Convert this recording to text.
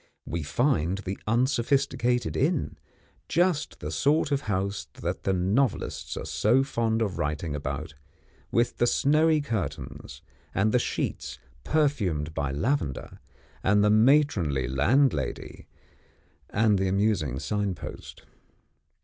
We find the unsophisticated inn just the sort of house that the novelists are so fond of writing about, with the snowy curtains, and the sheets perfumed by lavender, and the matronly landlady, and the amusing signpost.